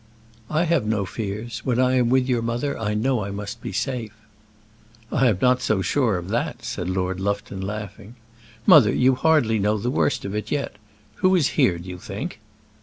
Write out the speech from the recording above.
"I have no fears. When I am with your mother I know I must be safe." "I am not so sure of that," said Lord Lufton, laughing. "Mother, you hardly know the worst of it yet. Who is here, do you think?"